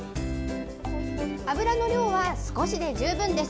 油の量は少しで十分です。